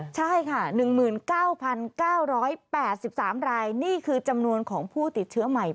ใช่ค่ะ๑๙๙๘๓รายนี่คือจำนวนของผู้ติดเชื้อใหม่